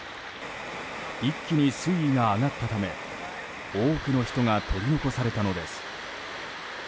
一気に水位が上がったため多くの人が取り残されたのです。